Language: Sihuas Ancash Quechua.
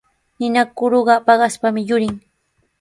Ninakuruqa paqaspami yurin.